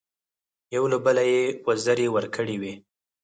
یو له بله یې وزرې ورکړې وې.